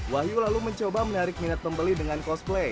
wahyu lalu mencoba menarik minat pembeli dengan cosplay